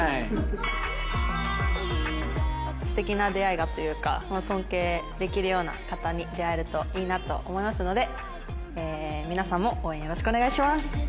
素敵な出会いがというか尊敬できるような方に出会えるといいなと思いますので皆さんも応援よろしくお願いします！